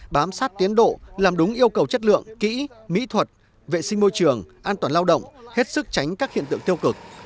bám sát tiến độ làm đúng yêu cầu chất lượng kỹ mỹ thuật vệ sinh môi trường an toàn lao động hết sức tránh các hiện tượng tiêu cực